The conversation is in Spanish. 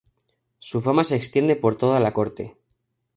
Su fama se extiende por toda la Corte.